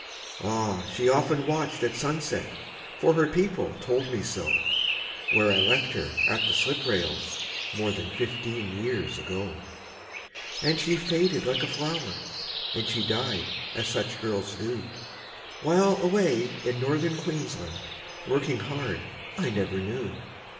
Ah! she often watched at sunset For her people told me so Where I left her at the slip rails More than fifteen years ago. And she faded like a flower, And she died, as such girls do, While, away in Northern Queensland, Working hard, I never knew.